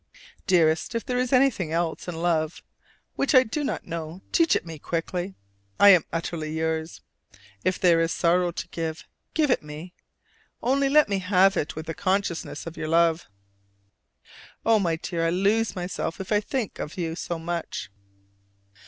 Dearest, if there is anything else in love which I do not know, teach it me quickly: I am utterly yours. If there is sorrow to give, give it me! Only let me have with it the consciousness of your love. Oh, my dear, I lose myself if I think of you so much.